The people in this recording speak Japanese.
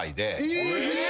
え！